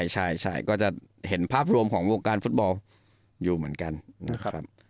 ใช่ก็จะเห็นภาพรวมของวงการฟุตบอลอยู่เหมือนกันนะครับ